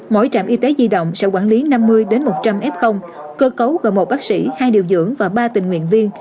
mỗi trạm y tế di động sẽ quản lý năm mươi một trăm linh f cơ cấu gồm một bác sĩ hai điều dưỡng và ba tình nguyện viên